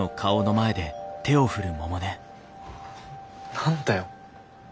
何だよ。